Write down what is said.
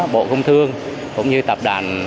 bộ công thương cũng như tập đoàn